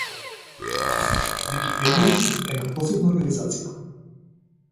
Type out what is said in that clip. Википедија е непрофитна организација.